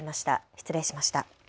失礼しました。